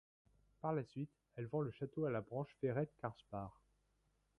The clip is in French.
Par la suite, elle vend le château à la branche Ferrette-Carspach.